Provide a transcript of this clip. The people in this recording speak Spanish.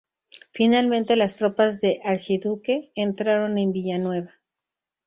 Finalmente, las tropas del Archiduque entraron en Villanueva.